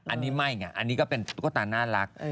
อันนี้ไม่ไงอันนี้ก็เป็นตุ๊กตาน่ารัก